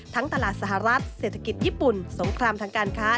ตลาดสหรัฐเศรษฐกิจญี่ปุ่นสงครามทางการค้า